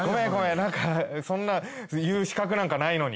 なんかそんな言う資格なんかないのに。